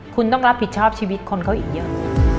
คุณต้องรับผิดชอบชีวิตคนเขาอีกเยอะ